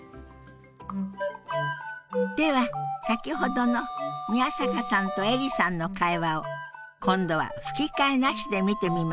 では先ほどの宮坂さんとエリさんの会話を今度は吹き替えなしで見てみましょう。